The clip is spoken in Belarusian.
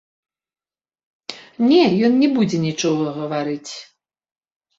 Не, ён не будзе нічога гаварыць.